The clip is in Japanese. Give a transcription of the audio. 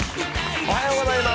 おはようございます！